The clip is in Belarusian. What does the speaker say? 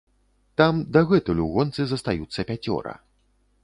Там дагэтуль у гонцы застаюцца пяцёра.